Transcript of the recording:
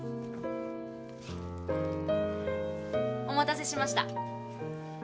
おまたせしました。